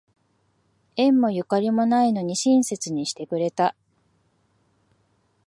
縁もゆかりもないのに親切にしてくれた